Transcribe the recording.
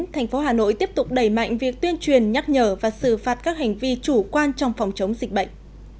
thành phố hà nội tiếp tục đẩy mạnh việc tuyên truyền nhắc nhở và xử phạt các hành vi chủ quan trong phòng chống dịch bệnh